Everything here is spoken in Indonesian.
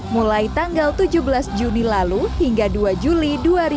mulai tanggal tujuh belas juni lalu hingga dua juli dua ribu dua puluh